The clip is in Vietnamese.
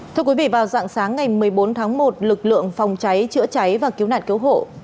thưa quý vị vào dạng sáng ngày một mươi bốn tháng một lực lượng phòng cháy chữa cháy và cứu nạn cứu hộ